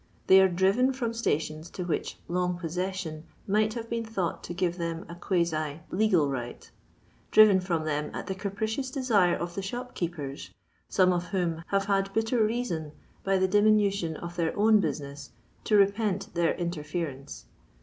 They are driven from stations to which long possession might have been thought to give them a quasi legal right; driven from them at the capricious desire of the shop keepers, some of whom have had bitter reason, by the diminution of their own business, to repent their interference.